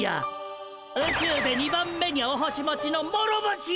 宇宙で２番目にお星持ちの諸星や！